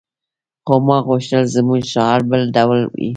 خو ما غوښتل زموږ شعار بل ډول وي